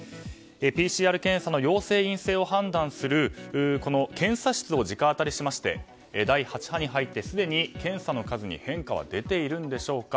ＰＣＲ検査の陽性・陰性を判断する検査室を直アタリしまして第８波に入ってすでに検査の数に変化は出ているんでしょうか